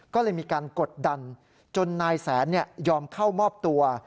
ก็เลยมีการกดดันจนนายแสนยอมเข้ามอบตัว